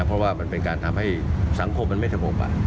เพราะว่ามันเป็นการทำให้สังคมมันไม่สงบ